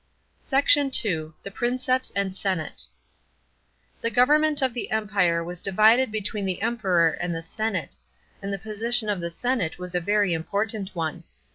SECT. II. — THE PRINCEPS AND SENATE. § 3. The government of the Empire was divided between the Emperor and the senate, and the ] osition of the senate was a very important one.